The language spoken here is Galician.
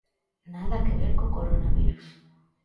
Nada que ver co coronavirus.